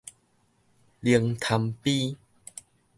靈潭陂